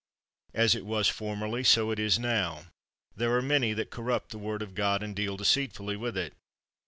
As it was for merly, so it is now ; there are many that corrupt the Word of God and deal deceitfully with it.